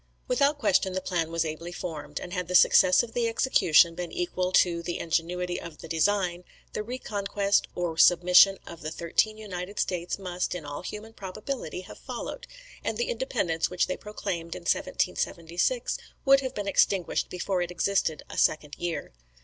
Without question the plan was ably formed; and had the success of the execution been equal to the ingenuity of the design, the re conquest or submission of the thirteen United States must, in all human probability, have followed; and the independence which they proclaimed in 1776 would have been extinguished before it existed a second year.